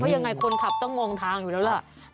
ยังไงคนขับต้องมองทางอยู่แล้วล่ะ